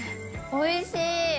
おいしい。